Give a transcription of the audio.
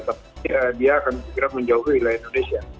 tapi dia akan segera menjauh ke wilayah indonesia